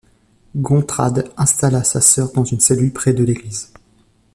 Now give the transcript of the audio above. Gontrad installa sa sœur dans une cellule près de l'église.